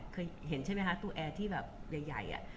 เคยเห็นใช่ไหมคะตัวแอร์ที่แบบใหญ่